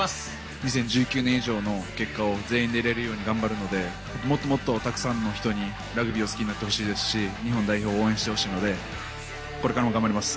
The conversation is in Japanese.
２０１９年以上の結果を全員で得られるように頑張るので、もっともっとたくさんの人にラグビーを好きになってほしいですし、日本代表を応援してほしいので、これからも頑張ります。